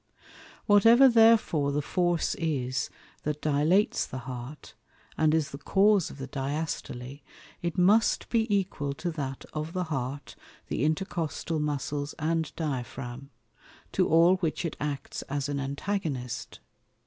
Whatever therefore the force is, that dilates the Heart, and is the cause of the Diastole, it must be equal to that of the Heart, the Intercostal Muscles and Diaphragm; to all which it acts as an Antagonist.